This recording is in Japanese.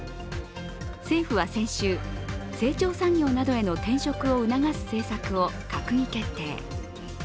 政府は先週、成長産業などへの転職を促す政策を閣議決定。